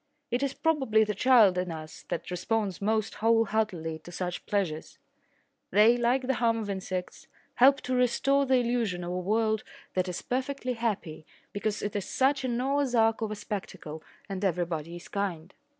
It is probably the child in us that responds most wholeheartedly to such pleasures. They, like the hum of insects, help to restore the illusion of a world that is perfectly happy because it is such a Noah's Ark of a spectacle and everybody is kind.